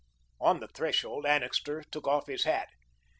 On the threshold, Annixter took off his hat.